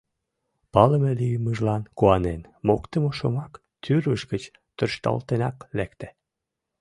Палыме лиймыжлан куанен, моктымо шомак тӱрвыж гыч тӧршталтенак лекте.